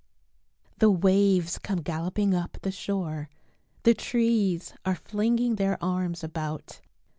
The waves come galloping up the shore, The trees are flinging their arms about.